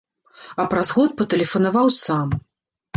А праз год патэлефанаваў сам.